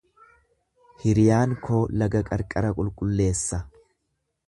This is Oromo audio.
Hiriyaan koo laga qarqara qulqulleessa.